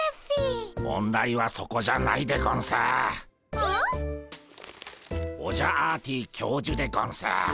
ピ？オジャアーティ教授でゴンス。